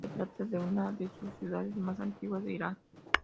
Se trata de una de las ciudades más antiguas de Irán.